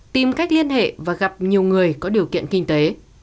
tìm cách liên hệ và gặp nhiều người có điều kiện kinh tế